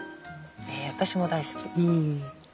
私も大好き。